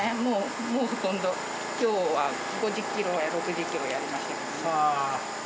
もうほとんど今日は５０ｋｇや６０ｋｇやりましたけど。